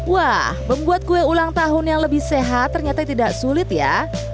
wah membuat kue ulang tahun yang lebih sehat ternyata tidak sulit ya